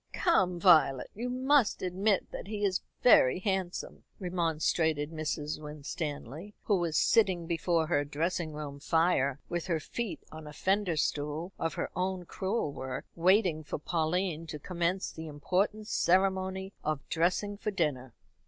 "Come, Violet, you must admit that he is very handsome," remonstrated Mrs. Winstanley, who was sitting before her dressing room fire, with her feet on a fender stool of her own crewel work, waiting for Pauline to commence the important ceremony of dressing for dinner.